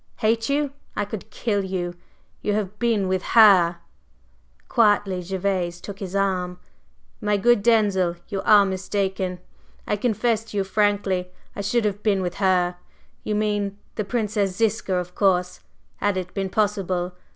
"Hate you? I could kill you! You have been with her!" Quietly Gervase took his arm. "My good Denzil, you are mistaken! I confess to you frankly I should have been with her you mean the Princess Ziska, of course had it been possible.